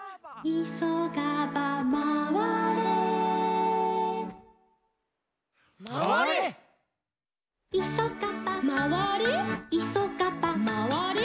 「いそがば」「まわれ？」